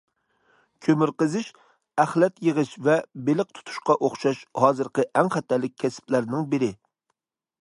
كۆمۈر قېزىش ئەخلەت يىغىش ۋە بېلىق تۇتۇشقا ئوخشاش ھازىرقى ئەڭ خەتەرلىك كەسىپلەرنىڭ بىرى.